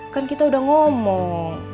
kan kita udah ngomong